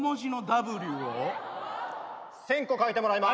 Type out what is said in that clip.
１，０００個書いてもらいます。